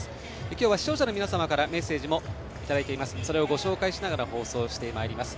今日は視聴者の皆様からメッセージもいただいています。